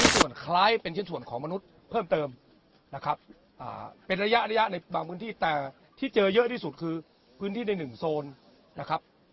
ส่วนคล้ายเป็นชิ้นส่วนของมนุษย์เพิ่มเติมนะครับเป็นระยะระยะในบางพื้นที่แต่ที่เจอเยอะที่สุดคือพื้นที่ในหนึ่งโซนนะครับ